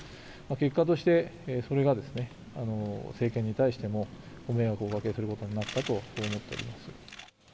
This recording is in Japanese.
結果として、それがですね、政権に対してもご迷惑をおかけすることになったと思っております。